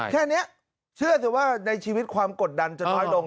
แค่นี้เชื่อสิว่าในชีวิตความกดดันจะน้อยลง